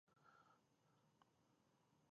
د ځنګلونو شتون د هوا کیفیت لوړوي.